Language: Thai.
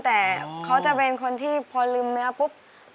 แต่เขาจะเป็นคนที่พอลืมเนื้อปุ๊บ